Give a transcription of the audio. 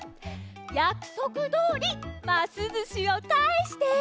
やくそくどおりますずしをかえして！